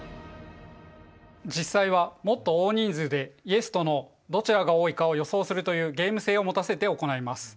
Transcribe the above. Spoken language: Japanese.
実際はもっと大人数でＹｅｓとＮｏどちらが多いかを予想するというゲーム性を持たせて行います。